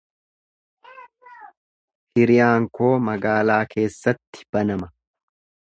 Hiriyaan koo magaalaa keessatti banama.